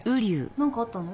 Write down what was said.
何かあったの？